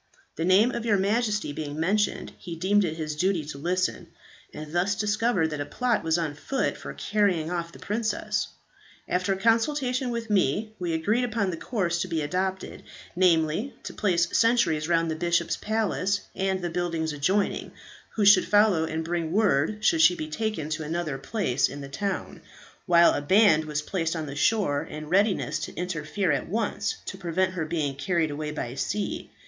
The name of your Majesty being mentioned, he deemed it his duty to listen, and thus discovered that a plot was on foot for carrying off the princess. After consultation with me, we agreed upon the course to be adopted, namely, to place sentries round the bishop's palace and the buildings adjoining, who should follow and bring word should she be taken to another place in town, while a band was placed on the shore in readiness to interfere at once to prevent her being carried away by sea.